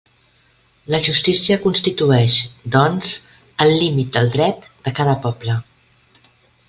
La justícia constitueix, doncs, el límit del dret de cada poble.